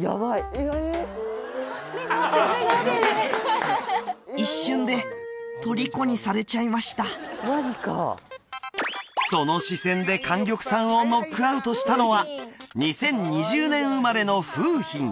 やばいええ一瞬でとりこにされちゃいましたマジかその視線で莟玉さんをノックアウトしたのは２０２０年生まれの楓浜